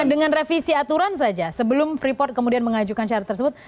dengan revisi aturan saja sebelum freeport kemudian mengajukan syarat tersebut